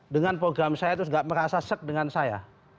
dengan program saya terus gak merasa sek dengan saya